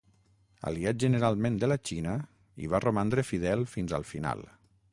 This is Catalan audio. Aliat generalment de la Xina, hi va romandre fidel fins al final.